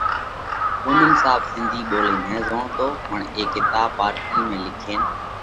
پُونم صاحب سنڌِي ٻولئِي نہ زوڻتون پڻ اي ڪِتاٻ پارڪرِي ۾ لکينَ